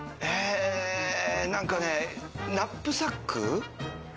なんかね、ナップサック？